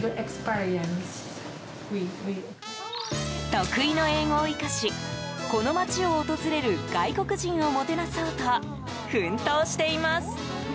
得意の英語を生かしこの町を訪れる外国人をもてなそうと奮闘しています。